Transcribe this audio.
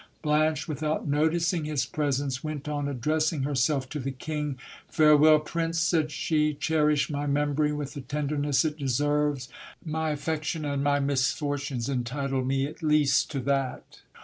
Blanche, without noticing his presence, went on addressing herself to the king. Farewell, prince, said she ; cherish my memory with the tenderness it deserves. My affection and my misfortunes entitle me at least to that.